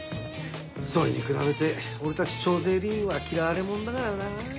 それに比べて俺たち徴税吏員は嫌われ者だからな。